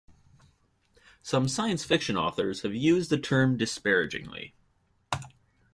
Some science fiction authors have used the term disparagingly.